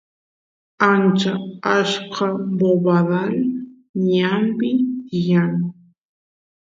ancha achka bobadal ñanpi tiyan